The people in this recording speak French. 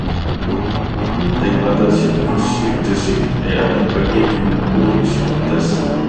La dégradation de sucre est accompagnée d’une production d’acide.